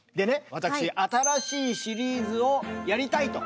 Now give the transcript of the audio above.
私新しいシリーズをやりたいと。